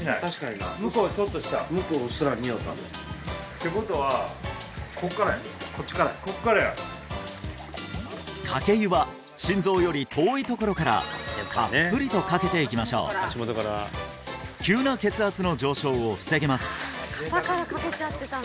うっすらにおったってことはこっちからやこっからやかけ湯は心臓より遠いところからたっぷりとかけていきましょう急な血圧の上昇を防げます